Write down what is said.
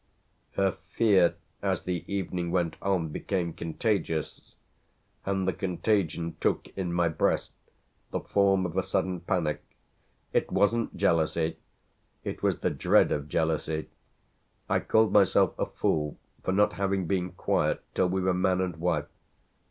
Her fear as the evening went on became contagious, and the contagion took in my breast the form of a sudden panic. It wasn't jealousy it was the dread of jealousy. I called myself a fool for not having been quiet till we were man and wife.